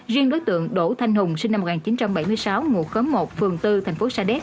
riêng đối tượng đỗ thanh hùng sinh năm một nghìn chín trăm bảy mươi sáu ngụ khóm một phường tư thành phố sa đéc